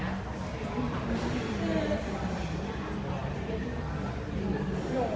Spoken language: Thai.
คือหนูก็ปรึกษากับแม่ตลอดนะครับว่าอย่างนี้เราเจออีก